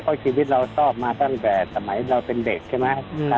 เพราะชีวิตเราชอบมาตั้งแต่สมัยเราเป็นเด็กใช่ไหม